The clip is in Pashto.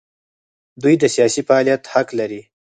دوی د سیاسي فعالیت حق لري.